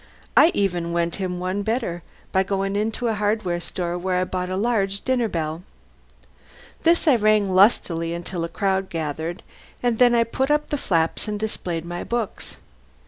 I even went him one better by going into a hardware store where I bought a large dinner bell. This I rang lustily until a crowd gathered, then I put up the flaps and displayed my books.